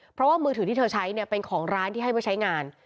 เพราะว่ามือถือที่เธอใช้เนี่ยเป็นของร้านที่ให้ไว้ใช้งาน